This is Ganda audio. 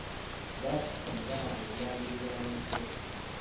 Baasituka ne balaba eryali libaleese.